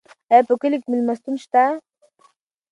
ایا په کلي کې مېلمستون شته؟